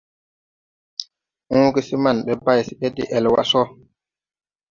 Hõõgesee man ɓe bay se ɓe de ɛl wa so.